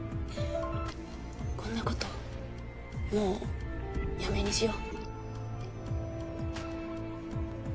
こんなこともうやめにしよう。